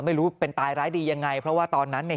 ไม่รู้เป็นตายร้ายดียังไงเพราะว่าตอนนั้นเนี่ย